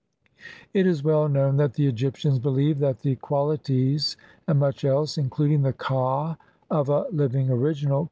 It is well known that the Egyptians believed that the qualities and much else, including the ka, of a living original C L INTR OD UCTION.